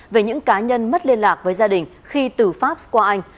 về những cá nhân mất liên lạc với gia đình khi từ pháp qua anh